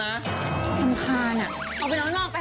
น้ำคาญน่ะเอาไปนอนล่องไป